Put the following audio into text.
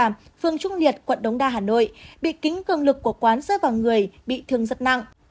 phương trung liệt quận đống đa hà nội bị kính cường lực của quán rơi vào người bị thương rất nặng